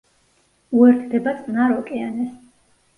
უერთდება წყნარ ოკეანეს.